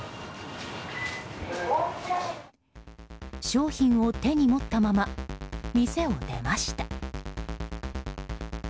商品を手に持ったまま店を出ました。